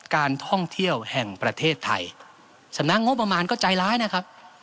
การท่องเที่ยวแห่งประเทศไทยสำนักงบประมาณก็ใจร้ายนะครับ